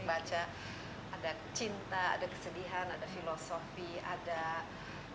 kita baca ada cinta ada kesedihan ada filosofi ada suatu renungan mengenai penyakit